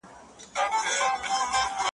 غم او ښادي یوه ده کور او ګور مو دواړه یو دي ,